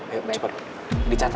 ayo cepat dicatat ya